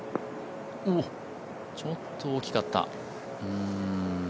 ちょっと大きかった。